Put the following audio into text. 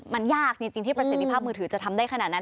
มันยากจริงที่ประสิทธิภาพมือถือจะทำได้ขนาดนั้น